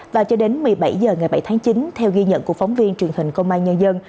và cho đến một mươi bảy h ngày bảy tháng chín theo ghi nhận của phóng viên truyền hình công an nhân dân